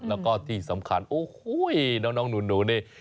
แล้วก็ที่สำคัญโอ้โหน้องหนูนี่